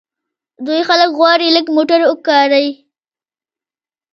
دوی غواړي خلک لږ موټر وکاروي.